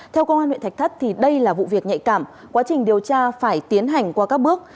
theo công an huyện thạch thất đây là vụ việc nhạy cảm quá trình điều tra phải tiến hành qua các bước